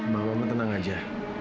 mama tenang aja